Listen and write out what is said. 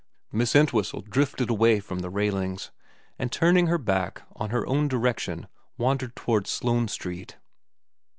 Miss Entwhistle drifted away from the railings, and turning her back on her own direction wandered towards Sloane Street.